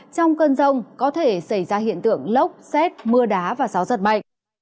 trong cơn rông có thể xảy ra hiện tượng lốc xét mưa đá và gió giật mạnh